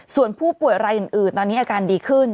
ส่วนผู้ป่วยรายอื่นตอนนี้อาการดีขึ้น